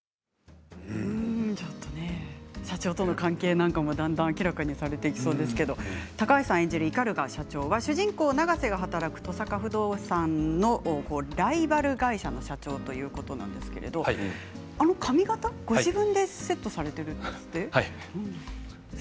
ちょっとね社長との関係なんかも明らかにされていきそうですけれども高橋さん演じる鵤社長は主人公、永瀬が働く登坂不動産のライバル会社の社長ということなんですけれどあの髪形、ご自分でセットされているんですって？